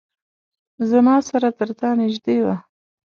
زما سره ترتا نیژدې وه